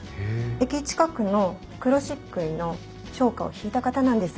駅近くの黒漆喰の商家をひいた方なんです。